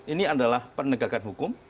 ini adalah penegakan hukum